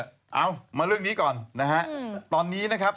เอามาเรื่องนี้ก่อนนะฮะตอนนี้นะครับ